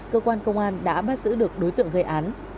cơ quan công an đã bắt giữ được đối tượng gây án